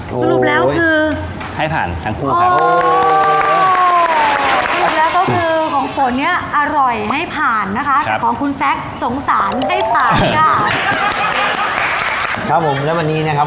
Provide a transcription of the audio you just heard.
ผมขอให้มาครับสักครั้งนะครับ